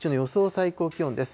最高気温です。